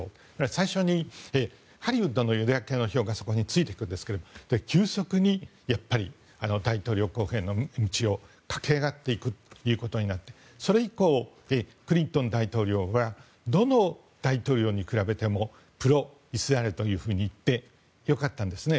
最初にハリウッドのユダヤ系の票がそこについてくるんですが急速に大統領候補への道を駆け上がっていくということになってそれ以降、クリントン大統領はどの大統領に比べてもプロイスラエルといってよかったんですね。